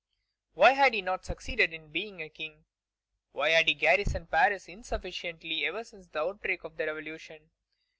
Why had he not succeeded in being a king? Why had he garrisoned Paris insufficiently ever since the outbreak of the Revolution?